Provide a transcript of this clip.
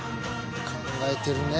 考えてるね。